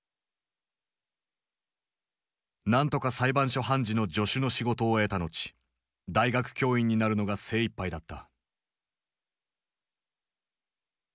何とか裁判所判事の助手の仕事を得た後大学教員になるのが精いっぱいだった。